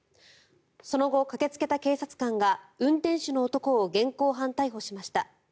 その後、駆けつけた警察官が運転手の男を現行犯逮捕しました。